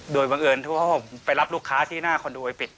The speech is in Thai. โดยบังเอิญว่าผมไปรับลูกค้าที่หน้าคอนโดไปปิด